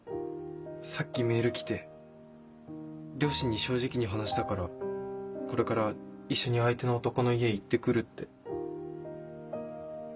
さっきメール来て両親に正直に話したからこれから一緒に相手の男の家行って来るって。